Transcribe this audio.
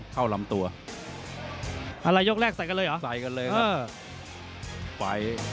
เข้าลำตัวอะไรยกแรกใส่กันเลยเหรอใส่กันเลยครับ